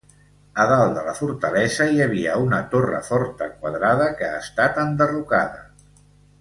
A dalt de la fortalesa hi havia una torre forta quadrada que ha estat enderrocada.